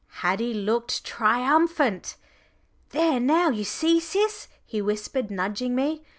Haddie looked triumphant. "There now you see, Sis," he whispered, nudging me.